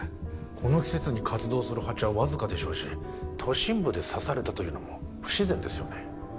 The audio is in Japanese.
この季節に活動するハチはわずかでしょうし都心部で刺されたというのも不自然ですよね